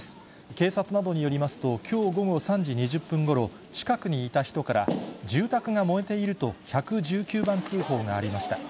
警察などによりますと、きょう午後３時２０分ごろ、近くにいた人から、住宅が燃えていると１１９番通報がありました。